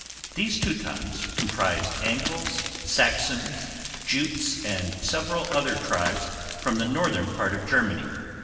These Teutons comprised Angles, Saxons, Jutes and several other tribes from the northern part of Germany.